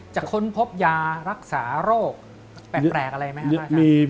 ค้นพบยารักษาโรคแปลกอะไรไหมครับ